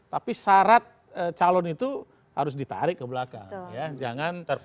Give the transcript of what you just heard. tapi syarat calon itu harus ditarik ke belakang